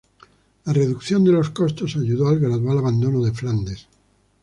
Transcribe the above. La reducción de los costos ayudó al gradual abandono de Flandes.